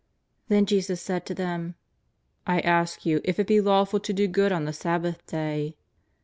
Then Jesus said tc them :" I ask you if it be lawful to do good on the Sab bath day